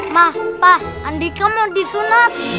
mah pak andika mau disunat